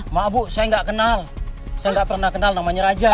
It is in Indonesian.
mak bu saya gak kenal saya gak pernah kenal namanya raja